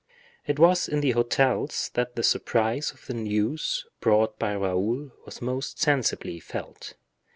It was in the hotels that the surprise of the news brought by Raoul was most sensibly felt.